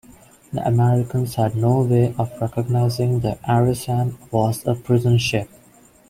The Americans had no way of recognizing the "Arisan" was a prison ship.